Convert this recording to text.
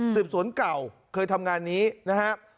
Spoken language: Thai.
สวนเก่าเคยทำงานนี้นะครับ